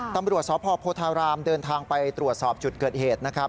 ตำรวจสพโพธารามเดินทางไปตรวจสอบจุดเกิดเหตุนะครับ